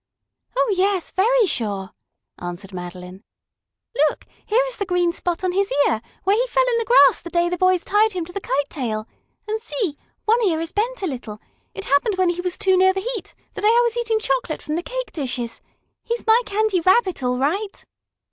"Oh, yes, very sure," answered Madeline. "Look, here is the green spot on his ear, where he fell in the grass the day the boys tied him to the kite tail. And, see! one ear is bent a little. It happened when he was too near the heat, the day I was eating chocolate from the cake dishes. He's my Candy Rabbit, all right!"